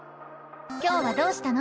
今日はどうしたの？